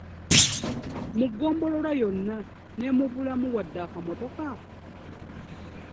Mu ggombolola yonna ne mubulamu wadde akamotoka!